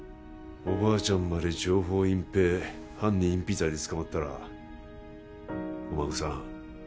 おばあちゃんまで情報隠蔽犯人隠避罪で捕まったらお孫さん